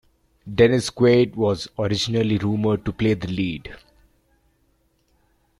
Dennis Quaid was originally rumoured to play the lead.